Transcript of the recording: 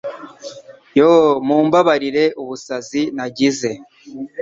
Yoo Mumbabarire ubusazi nagize